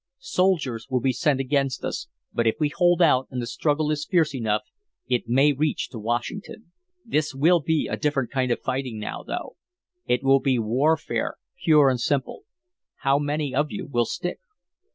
Soldiers will be sent against us, but if we hold out, and the struggle is fierce enough, it may reach to Washington. This will be a different kind of fighting now, though. It will be warfare pure and simple. How many of you will stick?"